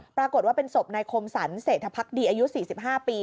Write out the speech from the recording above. ปรากฏว่าเป็นศพนายคมสรรเศรษฐภักดีอายุ๔๕ปี